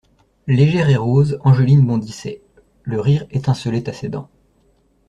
Légère et rose, Angeline bondissait: le rire étincelait à ses dents.